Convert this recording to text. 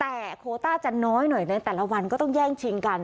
แต่โคต้าจะน้อยหน่อยในแต่ละวันก็ต้องแย่งชิงกัน